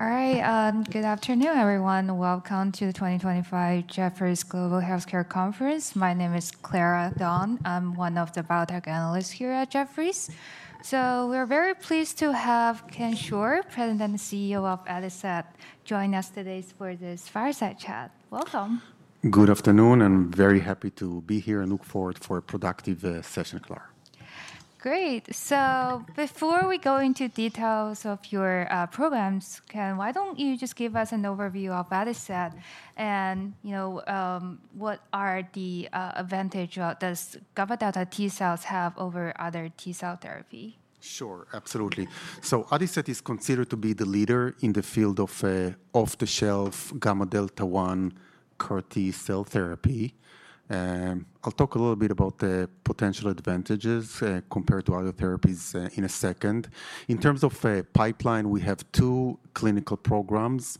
All right, good afternoon, everyone. Welcome to the 2025 Jefferies Global Healthcare Conference. My name is Clara Dong. I'm one of the biotech analysts here at Jefferies. We're very pleased to have Chen Schor, President and CEO of Adicet, join us today for this fireside chat. Welcome. Good afternoon, and very happy to be here and look forward to a productive session, Clara. Great. Before we go into details of your programs, Ken, why don't you just give us an overview of Adicet and what are the advantages does γδ T-cells have over other T-cell therapy? Sure, absolutely. Adicet is considered to be the leader in the field of off-the-shelf γδ one CAR T-cell therapy. I'll talk a little bit about the potential advantages compared to other therapies in a second. In terms of pipeline, we have two clinical programs.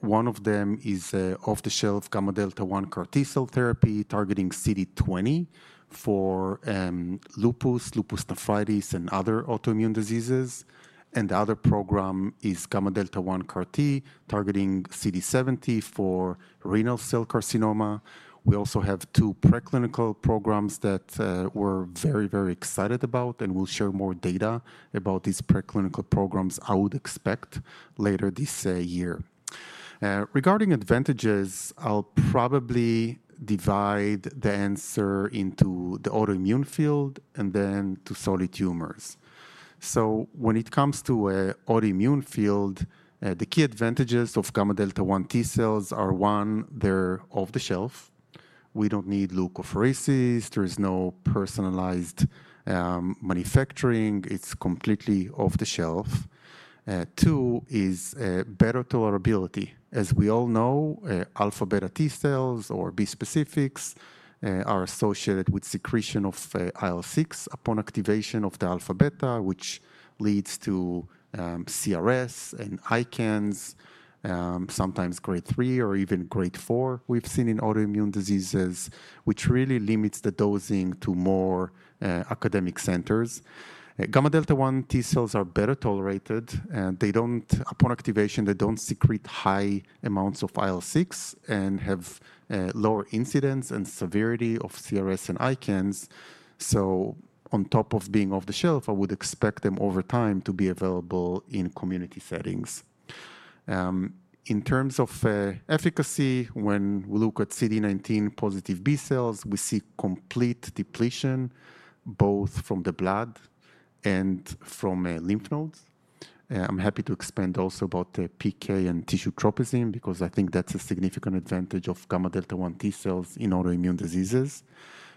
One of them is off-the-shelf γδ one CAR T-cell therapy targeting CD20 for lupus, lupus nephritis, and other autoimmune diseases. The other program is γδ one CAR T targeting CD70 for renal cell carcinoma. We also have two preclinical programs that we're very, very excited about, and we'll share more data about these preclinical programs I would expect later this year. Regarding advantages, I'll probably divide the answer into the autoimmune field and then to solid tumors. When it comes to an autoimmune field, the key advantages of γδ one T-cells are, one, they're off-the-shelf. We don't need leukophoresis. There is no personalized manufacturing. It's completely off-the-shelf. Two is better tolerability. As we all know, αβ T-cells or B specifics are associated with secretion of IL-6 upon activation of the αβ, which leads to CRS and ICANS, sometimes grade three or even grade four we've seen in autoimmune diseases, which really limits the dosing to more academic centers. γδ T-cells are better tolerated. Upon activation, they don't secrete high amounts of IL-6 and have lower incidence and severity of CRS and ICANS. On top of being off-the-shelf, I would expect them over time to be available in community settings. In terms of efficacy, when we look at CD19 positive B cells, we see complete depletion both from the blood and from lymph nodes. I'm happy to expand also about the PK and tissue tropism because I think that's a significant advantage of γδ one T-cells in autoimmune diseases.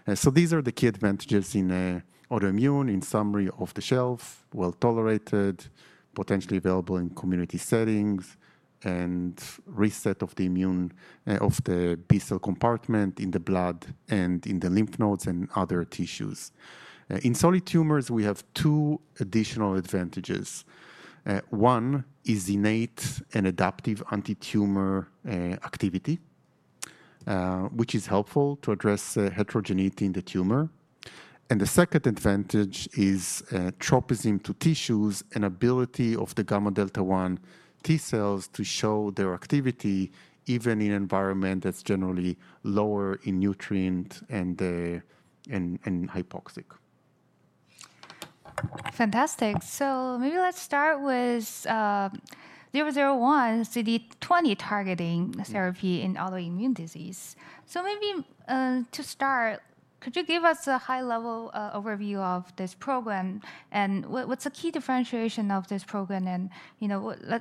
These are the key advantages in autoimmune, in summary, off-the-shelf, well tolerated, potentially available in community settings, and reset of the immune of the B cell compartment in the blood and in the lymph nodes and other tissues. In solid tumors, we have two additional advantages. One is innate and adaptive anti-tumor activity, which is helpful to address heterogeneity in the tumor. The second advantage is tropism to tissues and ability of the γδ one T-cells to show their activity even in an environment that's generally lower in nutrients and hypoxic. Fantastic. Maybe let's start with 001, CD20 targeting therapy in autoimmune disease. Maybe to start, could you give us a high-level overview of this program and what's the key differentiation of this program?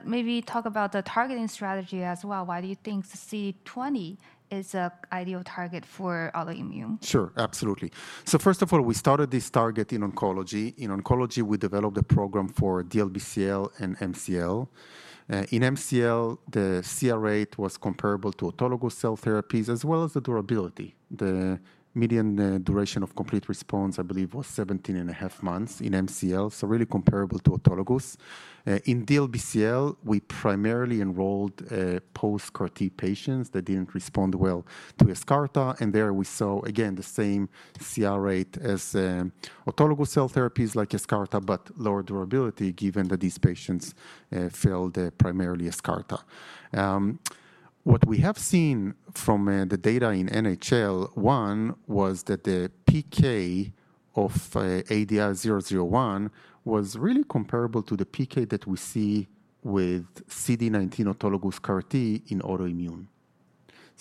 Maybe talk about the targeting strategy as well. Why do you think CD20 is an ideal target for autoimmune? Sure, absolutely. First of all, we started this target in oncology. In oncology, we developed a program for DLBCL and MCL. In MCL, the CR rate was comparable to autologous cell therapies as well as the durability. The median duration of complete response, I believe, was 17 and a half months in MCL, so really comparable to autologous. In DLBCL, we primarily enrolled post-CAR-T patients that did not respond well to Yescarta. There we saw, again, the same CR rate as autologous cell therapies like Yescarta, but lower durability given that these patients failed primarily Yescarta. What we have seen from the data in NHL, one, was that the PK of ADI-001 was really comparable to the PK that we see with CD19 autologous CAR T in autoimmune.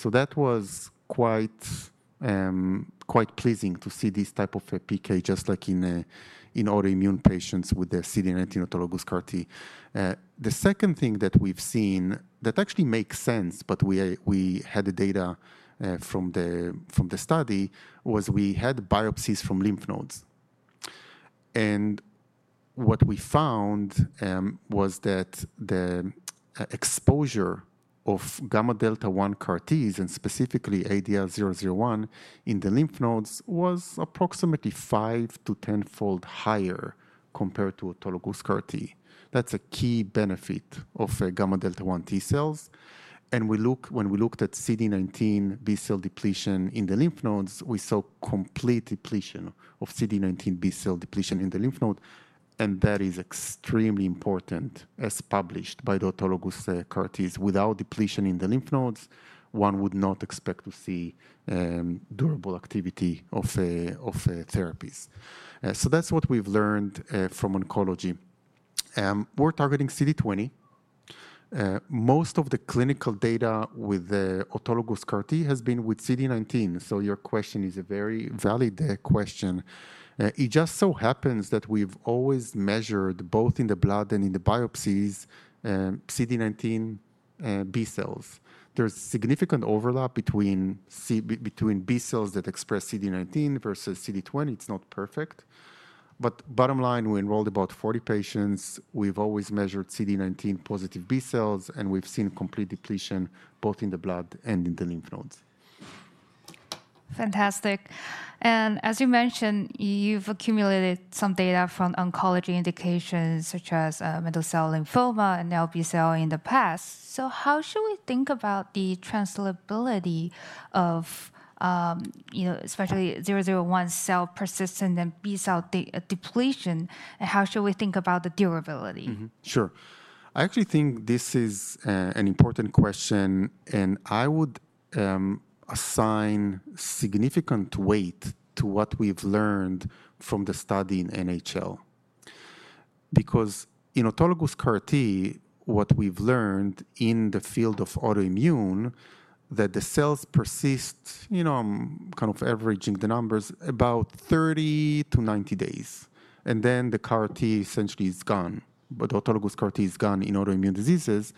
That was quite pleasing to see this type of PK just like in autoimmune patients with the CD19 autologous CAR T. The second thing that we've seen that actually makes sense, but we had the data from the study, was we had biopsies from lymph nodes. What we found was that the exposure of γδ one CAR Ts, and specifically ADI-001 in the lymph nodes, was approximately five- to tenfold higher compared to autologous CAR T. That's a key benefit of γδ T-cells. When we looked at CD19 B cell depletion in the lymph nodes, we saw complete depletion of CD19 B cells in the lymph node. That is extremely important, as published by the autologous CAR Ts. Without depletion in the lymph nodes, one would not expect to see durable activity of therapies. That is what we've learned from oncology. We're targeting CD20. Most of the clinical data with the autologous CAR T has been with CD19. Your question is a very valid question. It just so happens that we've always measured both in the blood and in the biopsies CD19 B cells. There's significant overlap between B cells that express CD19 versus CD20. It's not perfect. Bottom line, we enrolled about 40 patients. We've always measured CD19 positive B cells, and we've seen complete depletion both in the blood and in the lymph nodes. Fantastic. As you mentioned, you've accumulated some data from oncology indications such as mantle cell lymphoma and DLBCL in the past. How should we think about the transferability of, especially ADI-001 cell persistence and B cell depletion? How should we think about the durability? Sure. I actually think this is an important question, and I would assign significant weight to what we've learned from the study in NHL. Because in autologous CAR T, what we've learned in the field of autoimmune is that the cells persist, you know, kind of averaging the numbers, about 30 to 90 days. The CAR T essentially is gone. Autologous CAR T is gone in autoimmune diseases.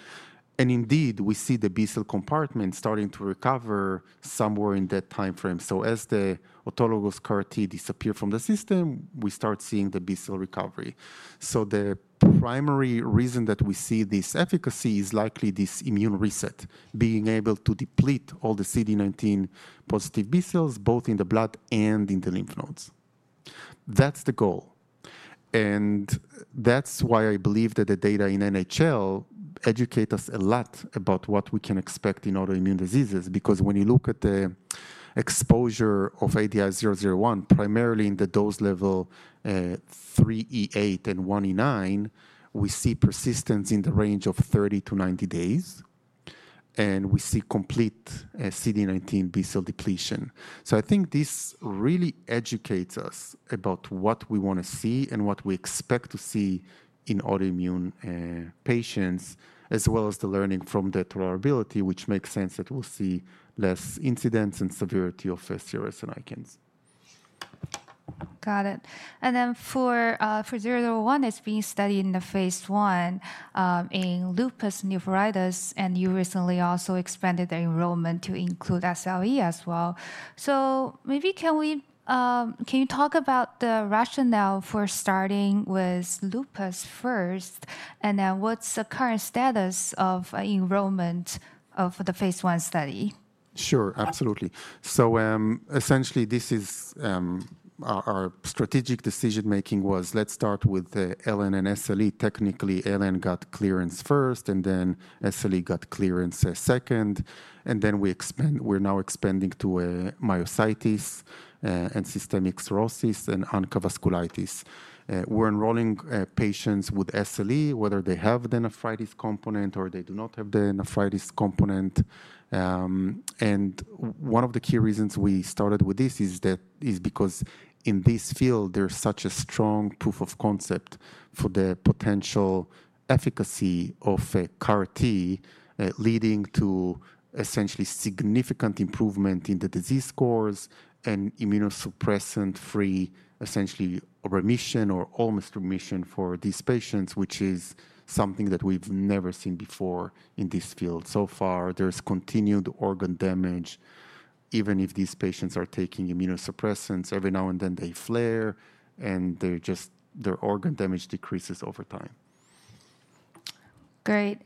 Indeed, we see the B cell compartment starting to recover somewhere in that timeframe. As the autologous CAR T disappears from the system, we start seeing the B cell recovery. The primary reason that we see this efficacy is likely this immune reset, being able to deplete all the CD19 positive B cells both in the blood and in the lymph nodes. That's the goal. That is why I believe that the data in NHL educate us a lot about what we can expect in autoimmune diseases. Because when you look at the exposure of ADI-001, primarily in the dose level 3E8 and 1E9, we see persistence in the range of 30-90 days. We see complete CD19 B cell depletion. I think this really educates us about what we want to see and what we expect to see in autoimmune patients, as well as the learning from that tolerability, which makes sense that we will see less incidence and severity of CRS and ICANS. Got it. For 001, it's being studied in the phase one in lupus nephritis, and you recently also expanded the enrollment to include SLE as well. Maybe can you talk about the rationale for starting with lupus first, and then what's the current status of enrollment for the phase one study? Sure, absolutely. Essentially, our strategic decision-making was, let's start with the LN and SLE. Technically, LN got clearance first, and then SLE got clearance second. We're now expanding to myositis and systemic sclerosis and oncovasculitis. We're enrolling patients with SLE, whether they have the nephritis component or they do not have the nephritis component. One of the key reasons we started with this is because in this field, there's such a strong proof of concept for the potential efficacy of CAR T, leading to essentially significant improvement in the disease course and immunosuppressant-free, essentially remission or almost remission for these patients, which is something that we've never seen before in this field. So far, there's continued organ damage, even if these patients are taking immunosuppressants. Every now and then, they flare, and their organ damage decreases over time. Great.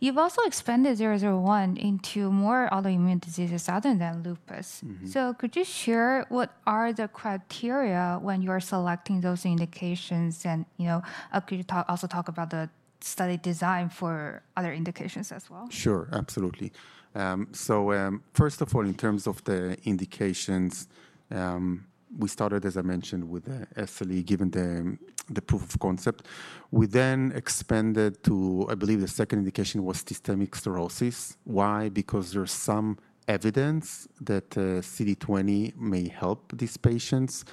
You have also expanded 001 into more autoimmune diseases other than lupus. Could you share what are the criteria when you're selecting those indications? Could you also talk about the study design for other indications as well? Sure, absolutely. First of all, in terms of the indications, we started, as I mentioned, with SLE given the proof of concept. We then expanded to, I believe the second indication was systemic sclerosis. Why? Because there is some evidence that CD20 may help these patients.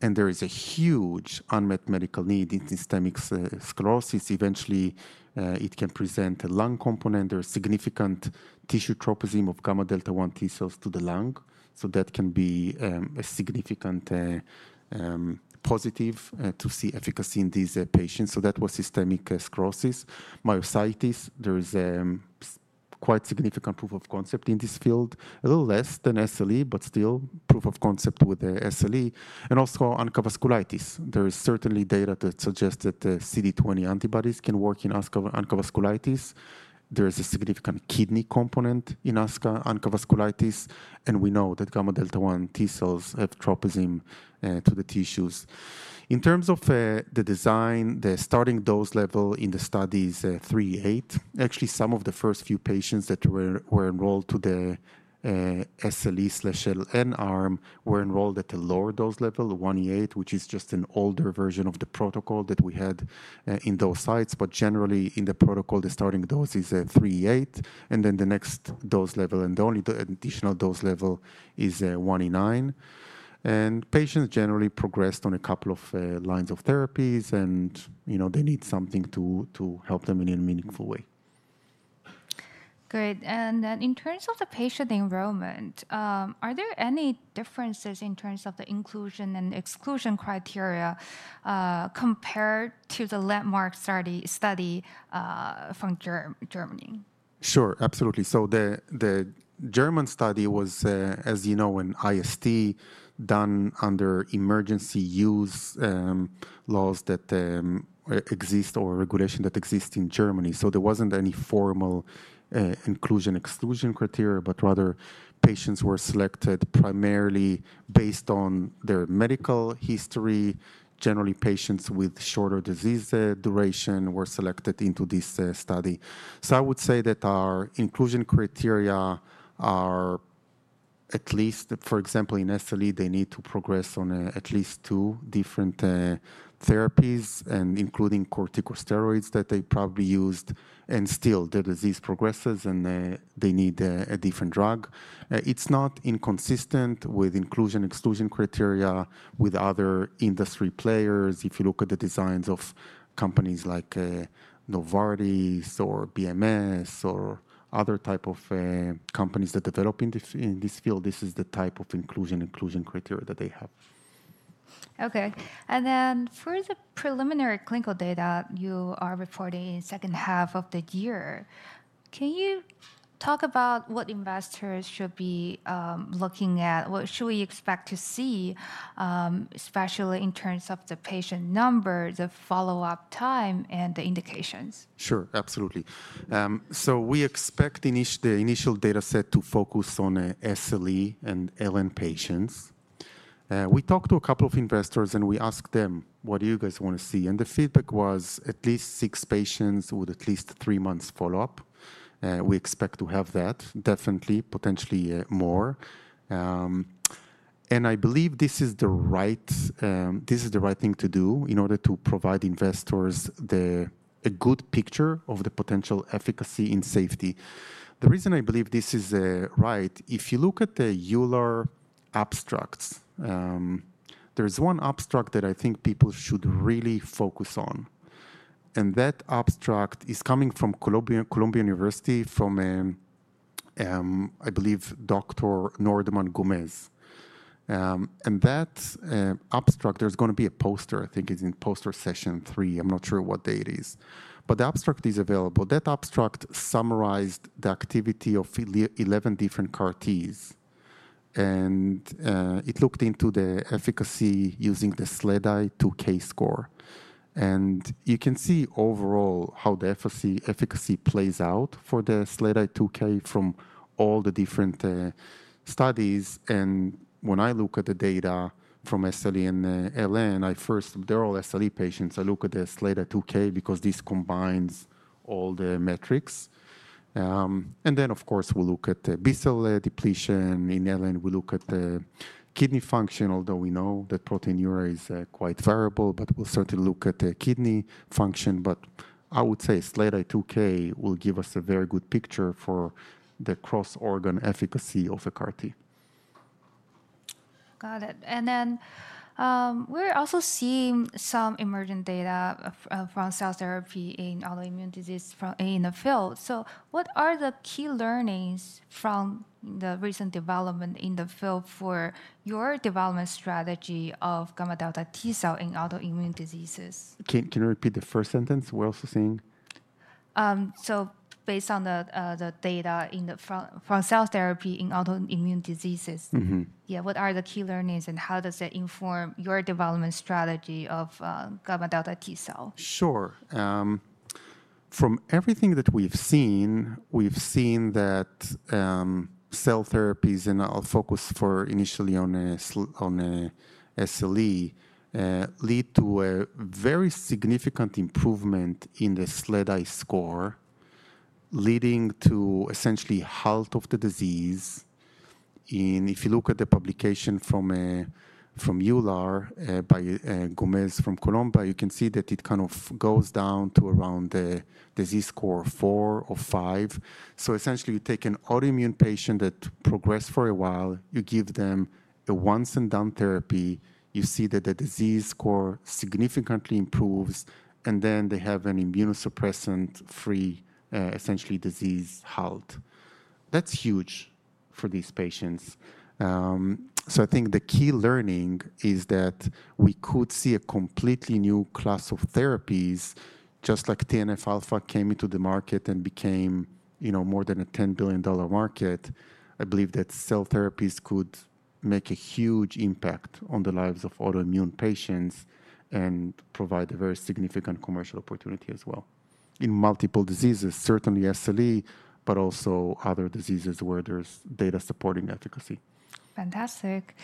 There is a huge unmet medical need in systemic sclerosis. Eventually, it can present a lung component. There is significant tissue tropism of γδ T-cells to the lung. That can be a significant positive to see efficacy in these patients. That was systemic sclerosis. Myositis, there is quite significant proof of concept in this field. A little less than SLE, but still proof of concept with SLE. Also, vasculitis. There is certainly data that suggests that the CD20 antibodies can work in vasculitis. There is a significant kidney component in vasculitis. We know that γδ T-cells have tropism to the tissues. In terms of the design, the starting dose level in the study is 3E8. Actually, some of the first few patients that were enrolled to the SLE/LN arm were enrolled at a lower dose level, 1E8, which is just an older version of the protocol that we had in those sites. Generally, in the protocol, the starting dose is 3E8. The next dose level, and the only additional dose level, is 1E9. Patients generally progressed on a couple of lines of therapies, and they need something to help them in a meaningful way. Great. In terms of the patient enrollment, are there any differences in terms of the inclusion and exclusion criteria compared to the landmark study from Germany? Sure, absolutely. The German study was, as you know, an IST done under emergency use laws that exist or regulation that exists in Germany. There was not any formal inclusion-exclusion criteria, but rather patients were selected primarily based on their medical history. Generally, patients with shorter disease duration were selected into this study. I would say that our inclusion criteria are at least, for example, in SLE, they need to progress on at least two different therapies, including corticosteroids that they probably used. Still, the disease progresses, and they need a different drug. It is not inconsistent with inclusion-exclusion criteria with other industry players. If you look at the designs of companies like Novartis or BMS or other types of companies that develop in this field, this is the type of inclusion-exclusion criteria that they have. Okay. For the preliminary clinical data you are reporting in the second half of the year, can you talk about what investors should be looking at? What should we expect to see, especially in terms of the patient number, the follow-up time, and the indications? Sure, absolutely. We expect the initial data set to focus on SLE and LN patients. We talked to a couple of investors, and we asked them, "What do you guys want to see?" The feedback was at least six patients with at least three months follow-up. We expect to have that, definitely, potentially more. I believe this is the right thing to do in order to provide investors a good picture of the potential efficacy and safety. The reason I believe this is right, if you look at the EULAR abstracts, there is one abstract that I think people should really focus on. That abstract is coming from Columbia University, from, I believe, Dr. Norman Gómez. That abstract, there is going to be a poster, I think it is in poster session three. I am not sure what date it is, but the abstract is available. That abstract summarized the activity of 11 different CAR Ts. It looked into the efficacy using the SLEDAI-2K score. You can see overall how the efficacy plays out for the SLEDAI-2K from all the different studies. When I look at the data from SLE and LN, they're all SLE patients. I look at the SLEDAI-2K because this combines all the metrics. Of course, we'll look at the B cell depletion. In LN, we look at the kidney function, although we know that proteinuria is quite variable, but we'll certainly look at the kidney function. I would say SLEDAI-2K will give us a very good picture for the cross-organ efficacy of a CAR T. Got it. We are also seeing some emergent data from cell therapy in autoimmune disease in the field. What are the key learnings from the recent development in the field for your development strategy of γδ T-cell in autoimmune diseases? Can you repeat the first sentence we're also seeing? Based on the data from cell therapy in autoimmune diseases, yeah, what are the key learnings and how does it inform your development strategy of γδ T-cell? Sure. From everything that we've seen, we've seen that cell therapies and focus initially on SLE lead to a very significant improvement in the SLEDAI score, leading to essentially halt of the disease. If you look at the publication from Euler by G`omez from Columbia, you can see that it kind of goes down to around the disease score four or five. Essentially, you take an autoimmune patient that progressed for a while, you give them a once-and-done therapy, you see that the disease score significantly improves, and then they have an immunosuppressant-free, essentially, disease halt. That's huge for these patients. I think the key learning is that we could see a completely new class of therapies, just like TNF alpha came into the market and became more than a $10 billion market. I believe that cell therapies could make a huge impact on the lives of autoimmune patients and provide a very significant commercial opportunity as well. In multiple diseases, certainly SLE, but also other diseases where there's data supporting efficacy. Fantastic.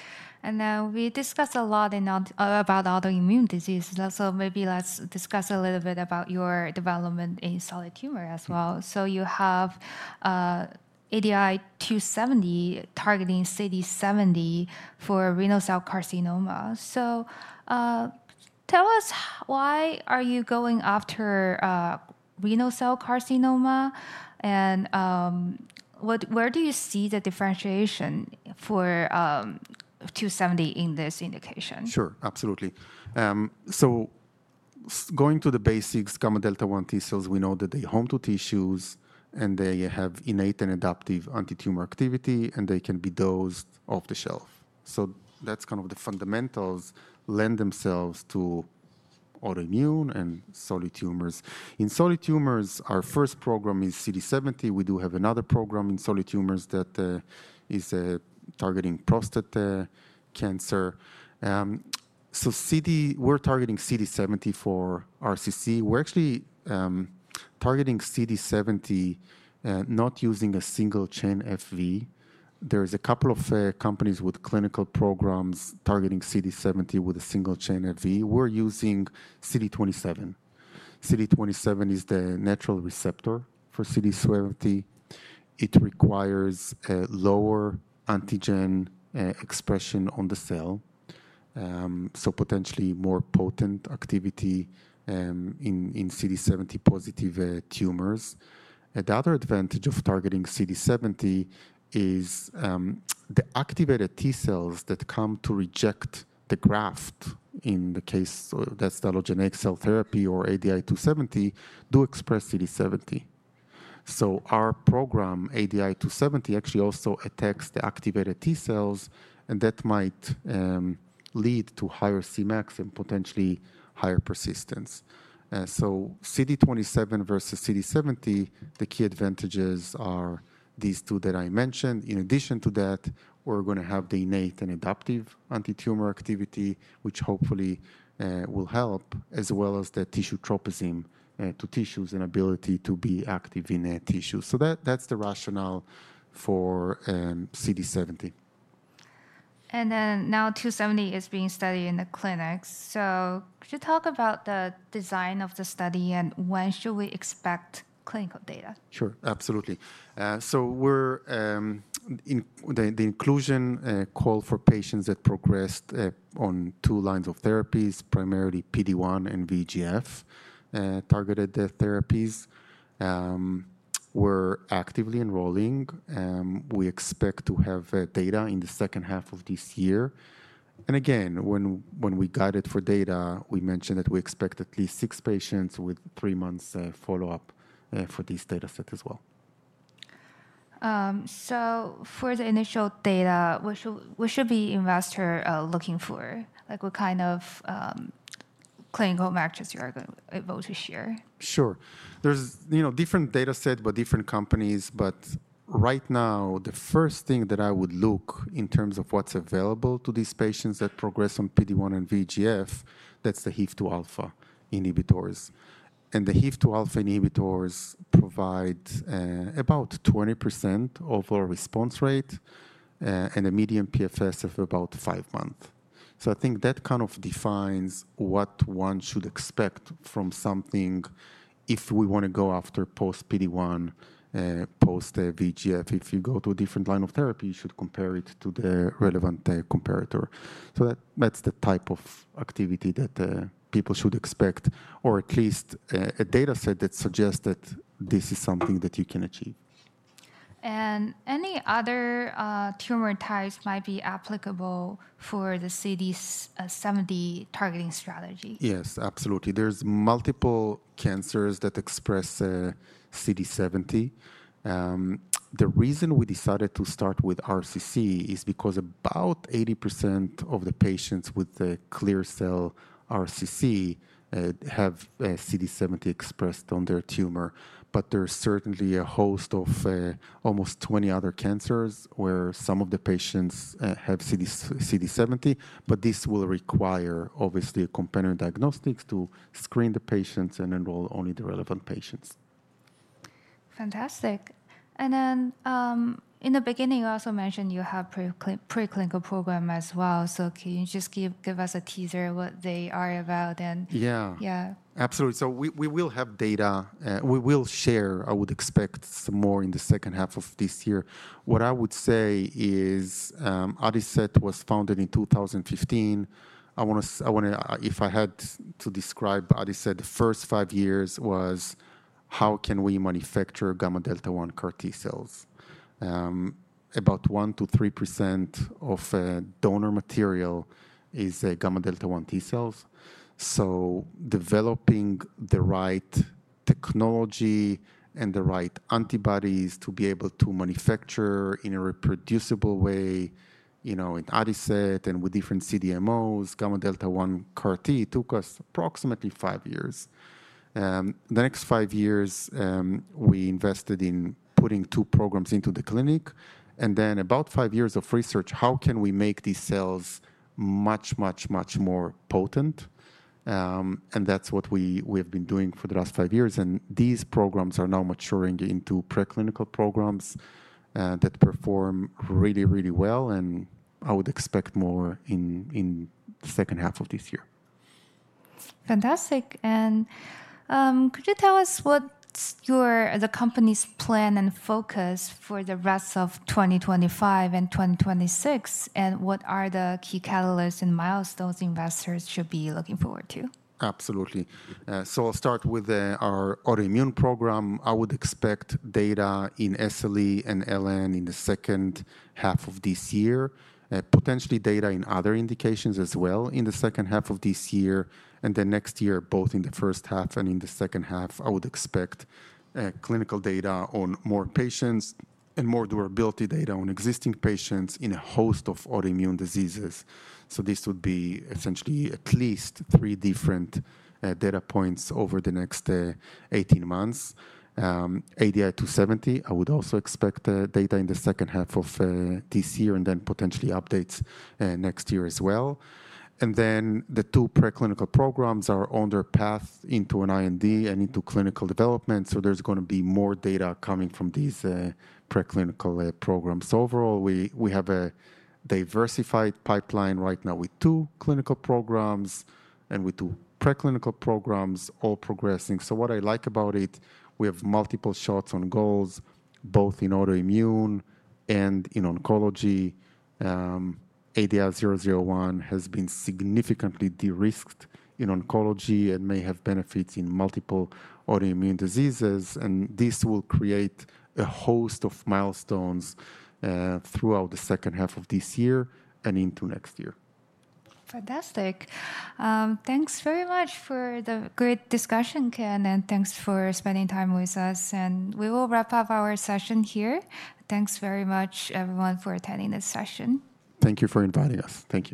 We discussed a lot about autoimmune diseases. Maybe let's discuss a little bit about your development in solid tumor as well. You have ADI-270 targeting CD70 for renal cell carcinoma. Tell us, why are you going after renal cell carcinoma? Where do you see the differentiation for 270 in this indication? Sure, absolutely. Going to the basics, γδ one T-cells, we know that they home to tissues, and they have innate and adaptive anti-tumor activity, and they can be dosed off the shelf. That kind of the fundamentals lend themselves to autoimmune and solid tumors. In solid tumors, our first program is CD70. We do have another program in solid tumors that is targeting prostate cancer. We are targeting CD70 for RCC. We are actually targeting CD70, not using a single-chain FV. There are a couple of companies with clinical programs targeting CD70 with a single-chain FV. We are using CD27. CD27 is the natural receptor for CD70. It requires a lower antigen expression on the cell. Potentially more potent activity in CD70-positive tumors. Another advantage of targeting CD70 is the activated T-cells that come to reject the graft. In the case, that's the allogeneic cell therapy or ADI-270, do express CD70. So our program, ADI-270, actually also attacks the activated T-cells, and that might lead to higher Cmax and potentially higher persistence. So CD27 versus CD70, the key advantages are these two that I mentioned. In addition to that, we're going to have the innate and adaptive anti-tumor activity, which hopefully will help, as well as the tissue tropism to tissues and ability to be active in tissues. So that's the rationale for CD70. Now ADI-270 is being studied in the clinics. Could you talk about the design of the study and when should we expect clinical data? Sure, absolutely. The inclusion call for patients that progressed on two lines of therapies, primarily PD-1 and VEGF targeted therapies, we're actively enrolling. We expect to have data in the second half of this year. Again, when we guided for data, we mentioned that we expect at least six patients with three months follow-up for this data set as well. For the initial data, what should investors be looking for? What kind of clinical metrics are you able to share? Sure. There are different data sets by different companies. Right now, the first thing that I would look at in terms of what is available to these patients that progress on PD-1 and VEGF is the HIF-2α inhibitors. The HIF-2α inhibitors provide about 20% overall response rate and a median PFS of about five months. I think that kind of defines what one should expect from something if we want to go after post-PD-1, post-VEGF. If you go to a different line of therapy, you should compare it to the relevant comparator. That is the type of activity that people should expect, or at least a data set that suggests that this is something that you can achieve. Are any other tumor types applicable for the CD70 targeting strategy? Yes, absolutely. There are multiple cancers that express CD70. The reason we decided to start with RCC is because about 80% of the patients with clear cell RCC have CD70 expressed on their tumor. There is certainly a host of almost 20 other cancers where some of the patients have CD70, but this will require, obviously, a component diagnostics to screen the patients and enroll only the relevant patients. Fantastic. In the beginning, you also mentioned you have a preclinical program as well. Can you just give us a teaser of what they are about? Yeah, absolutely. We will have data. We will share, I would expect, some more in the second half of this year. What I would say is, Adicet was founded in 2015. If I had to describe Adicet, the first five years was how can we manufacture γδ one CAR T-cells. About 1%-3% of donor material is γδ one T-cells. Developing the right technology and the right antibodies to be able to manufacture in a reproducible way in Adicet and with different CDMOs, γδ one CAR T took us approximately five years. The next five years, we invested in putting two programs into the clinic. Then about five years of research, how can we make these cells much, much, much more potent? That is what we have been doing for the last five years. These programs are now maturing into preclinical programs that perform really, really well. I would expect more in the second half of this year. Fantastic. Could you tell us what's the company's plan and focus for the rest of 2025 and 2026, and what are the key catalysts and milestones investors should be looking forward to? Absolutely. I'll start with our autoimmune program. I would expect data in SLE and LN in the second half of this year, potentially data in other indications as well in the second half of this year. Next year, both in the first half and in the second half, I would expect clinical data on more patients and more durability data on existing patients in a host of autoimmune diseases. This would be essentially at least three different data points over the next 18 months. ADI-270, I would also expect data in the second half of this year and potentially updates next year as well. The two preclinical programs are on their path into an IND and into clinical development. There's going to be more data coming from these preclinical programs. Overall, we have a diversified pipeline right now with two clinical programs and with two preclinical programs all progressing. What I like about it, we have multiple shots on goals, both in autoimmune and in oncology. ADI-001 has been significantly de-risked in oncology and may have benefits in multiple autoimmune diseases. This will create a host of milestones throughout the second half of this year and into next year. Fantastic. Thanks very much for the great discussion, Chen, and thanks for spending time with us. We will wrap up our session here. Thanks very much, everyone, for attending this session. Thank you for inviting us. Thank you.